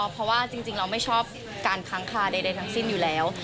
เพราะว่าจริงเราไม่ชอบการค้างคาใดทั้งสิ้นอยู่แล้ว